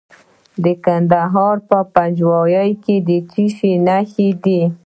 د کندهار په پنجوايي کې د څه شي نښې دي؟